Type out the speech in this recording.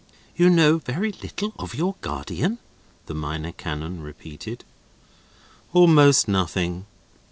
"You know very little of your guardian?" the Minor Canon repeated. "Almost nothing!"